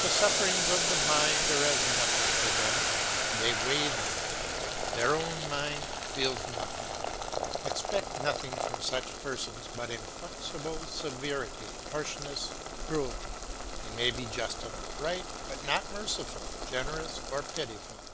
The sufferings of the mind are as nothing to them; they weigh them, their own mind feels nothing; expect nothing from such persons but inflexible severity, harshness, cruelty. They may be just and upright, but not merciful, generous, or pitiful.